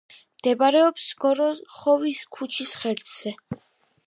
მდებარეობს გოროხოვის ქუჩის ღერძზე.